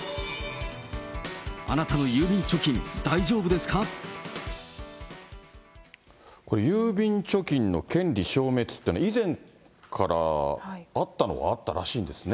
あなたの郵便貯金、これ、郵便貯金の権利消滅というのは、以前からあったのはあったらしいんですね。